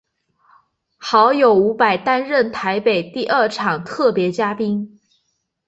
好友伍佰担任台北第二场特别嘉宾。